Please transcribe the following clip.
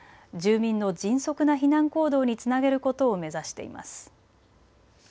住民の迅速な避難行動につなげることを目指しています。